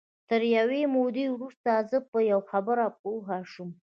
تر یوې مودې وروسته زه په یوه خبره پوه شوم